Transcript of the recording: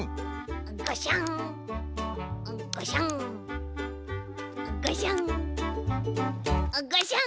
ガシャンガシャンガシャンガシャン。